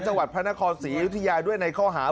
จังหวัดพระนครศรีอยุธยาด้วยในข้อหา